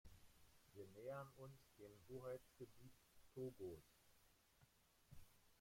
Wir nähern uns dem Hoheitsgebiet Togos.